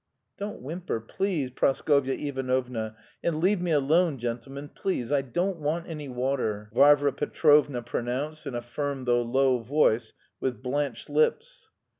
"Don't whimper, please, Praskovya Ivanovna, and leave me alone, gentlemen, please, I don't want any water!" Varvara Petrovna pronounced in a firm though low voice, with blanched lips.